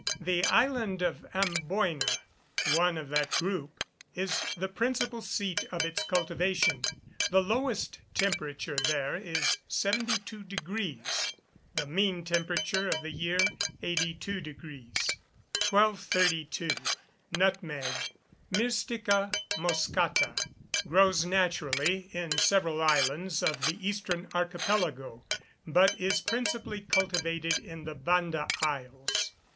The island of Amboyna, one of that group, is the principal seat of its cultivation. The lowest temperature there is 72 degs.; the mean temperature of the year 82 degs. 1232. Nutmeg (Myrstica moschata) grows naturally in several islands of the eastern archipelago, but is principally cultivated in the Banda Isles.